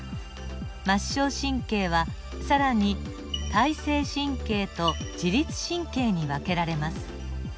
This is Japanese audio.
末梢神経は更に体性神経と自律神経に分けられます。